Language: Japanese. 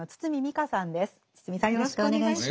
堤さんよろしくお願いします。